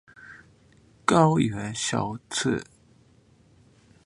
高原苕子